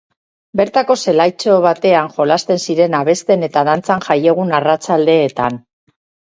Bertako zelaitxo batean jolasten ziren abesten eta dantzan jaiegun arratsaldeetan.